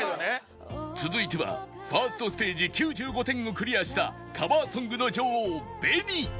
続いては １ｓｔ ステージ９５点をクリアしたカバーソングの女王 ＢＥＮＩ